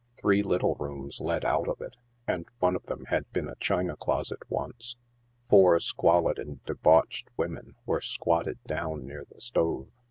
Three little rooms led out of it. and one of them had been a china closet once. Four squalid and debauched women were squatted down near the stove.